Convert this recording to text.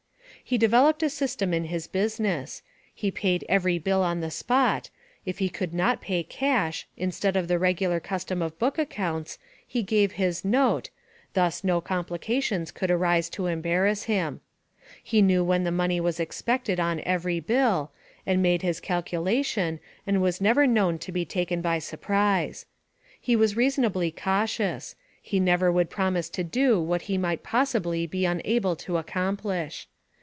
He developed a system in his business; he paid every bill on the spot; if he could not pay cash, instead of the regular custom of book accounts, he gave his note, thus no complications could arise to embarrass him. He knew when the money was expected on every bill, and made his calculation, and was never known to be taken by surprise. He was reasonably cautious he never would promise to do what he might possibly be unable to accomplish.